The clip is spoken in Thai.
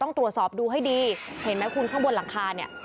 ต้องตรวจสอบดูให้ดีเห็นไหมคุณข้างบนหลังคาเนี่ย